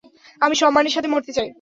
আমি সম্মানের সাথে মরতে চাই।